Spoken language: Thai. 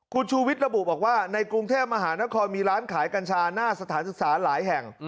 คุณชูวิทย์ระบุบอกว่าในกรุงเทพมหานครมีร้านขายกัญชาหน้าสถานศึกษาหลายแห่ง